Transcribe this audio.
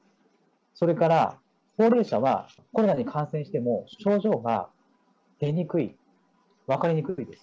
それから、高齢者はコロナに感染しても症状が出にくい、分かりにくいです。